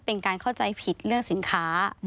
เป็นการเข้าใจผิดเรื่องสินค้า